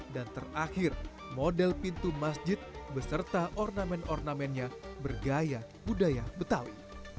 dan terakhir model pintu masjid beserta ornamen ornamennya bergaya budaya betawi